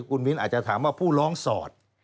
คุณมิ้นอาจจะถามว่าผู้ร้องสอด